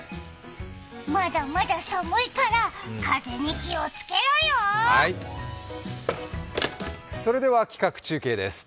まだまだ寒いから風邪に気をつけろよ企画中継です。